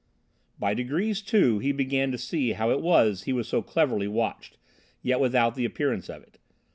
By degrees, too, he began to see how it was he was so cleverly watched, yet without the appearance of it.